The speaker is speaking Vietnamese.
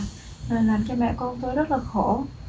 làm cho mẹ con tôi rất là khổ